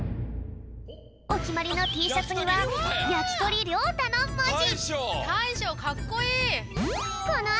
おきまりのＴシャツには「やきとりりょうた」のもじ！